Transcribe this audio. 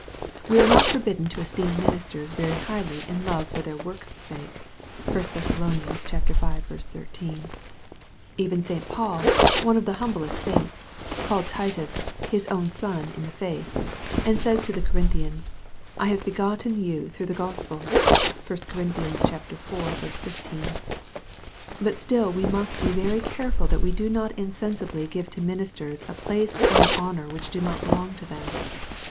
We are not forbidden to esteem ministers very highly in love for their work's sake. (1 Thess. V. 13.) Even St. Paul, one of the humblest saints, called Titus "his own son in the faith," and says to the Corinthians, " I have begotten you through the gos pel." (1 Cor. iv. 15.) But still we must be very careful that we do not insensibly give to ministers a place and an honor which do not belong to them.